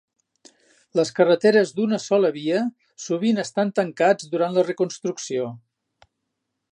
Les carreteres d'una sola via sovint estan tancats durant la reconstrucció.